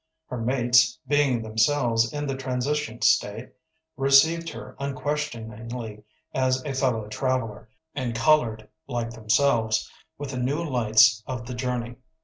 Her mates, being themselves in the transition state, received her unquestioningly as a fellow traveller, and colored like themselves with the new lights of the journey.